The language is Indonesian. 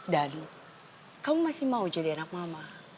dan kamu masih mau jadi anak mama